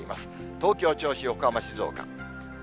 東京、銚子、横浜、静岡。